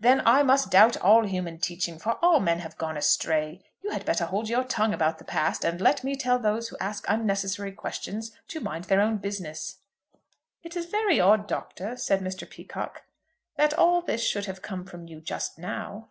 "Then I must doubt all human teaching, for all men have gone astray. You had better hold your tongue about the past, and let me tell those who ask unnecessary questions to mind their own business." "It is very odd, Doctor," said Mr. Peacocke, "that all this should have come from you just now."